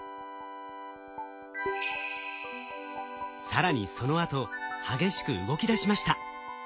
更にそのあと激しく動きだしました。